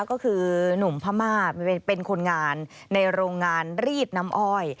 ก็คือหนุ่มพม่าเป็นคนงานในโรงงานรีดน้ำอ้อย